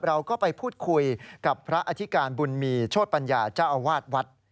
เราก็ไปพูดคุยกับพระอธิการบุญมีโชธปัญญาเจ้าอาวาสวัด